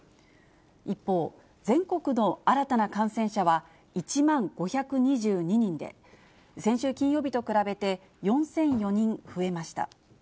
一方、全国の新たな感染者は１万５２２人で、先週金曜日と比べて４００４人増えました。